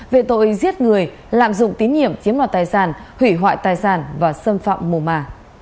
về tội giết người lạm dụng tín nhiệm chiếm đoạt tài sản hủy hoại tài sản và xâm phạm mùa mà